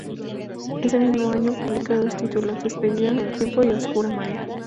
Ese mismo año publica dos títulos, "Despedida en el tiempo" y "Oscura marea".